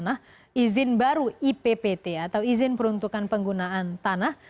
nah izin baru ippt atau izin peruntukan penggunaan tanah